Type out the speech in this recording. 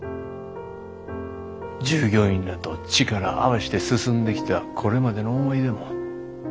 従業員らと力合わして進んできたこれまでの思い出も。